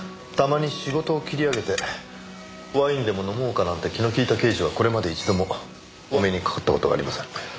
たまに仕事を切り上げてワインでも飲もうかなんて気の利いた刑事はこれまで一度もお目にかかった事がありません。